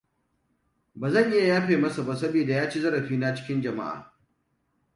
Ba zan iya yafe masa ba, sabida ya ci zarafina cikin jama'a.